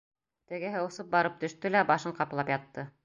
Тегеһе осоп барып төштө лә башын ҡаплап ятты.